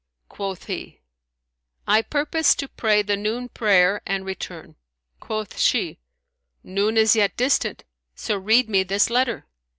Quoth he, "I purpose to pray the noon prayer and return." Quoth she, "Noon is yet distant, so read me this letter."